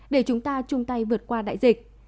để chúng ta chung tay vượt qua đại dịch